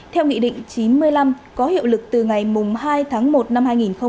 theo nghị định chín mươi năm có hiệu lực từ ngày hai tháng một năm hai nghìn hai mươi